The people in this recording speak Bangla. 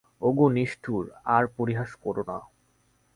ওগো নিষ্ঠুর, আর পরিহাস কোরো না।